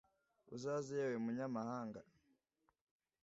uzaze yewe munyamahanga